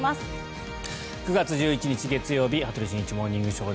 ９月１１日、月曜日「羽鳥慎一モーニングショー」。